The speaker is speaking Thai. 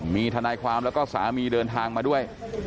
มีทนายความแล้วก็สามีเดินทางมาด้วย